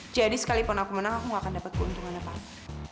jadi sekalipun aku menang aku gak akan dapat keuntungan apa apa